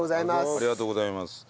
ありがとうございます。